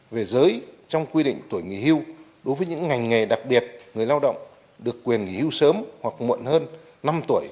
về giới trong quy định tuổi nghỉ hưu đối với những ngành nghề đặc biệt người lao động được quyền nghỉ hưu sớm hoặc muộn hơn năm tuổi